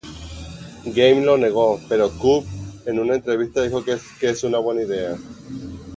Game lo negó, pero Cube en una entrevista dijo que es una buena idea.